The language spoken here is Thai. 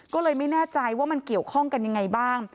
ก็เลยไม่แน่ใจว่ามันเกี่ยวข้องกันยังไงบ้าง